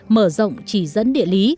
mở rộng chỉ dẫn địa lý